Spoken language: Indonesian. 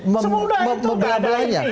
semudah itu nggak ada ini